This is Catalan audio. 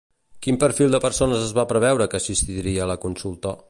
Quin perfil de persones es va preveure que assistiria a la consulta?